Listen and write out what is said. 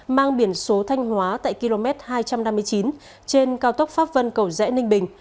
mang biển số thanh hóa tại km hai trăm năm mươi chín trên cao tốc pháp vân cầu rẽ ninh bình